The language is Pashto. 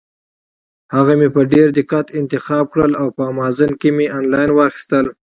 هغه مې په ډېر دقت انتخاب کړل او په امازان کې مې انلاین واخیستل.